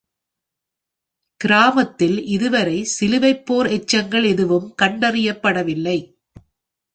கிராமத்தில் இதுவரை சிலுவைப் போர் எச்சங்கள் எதுவும் கண்டறியப்படவில்லை.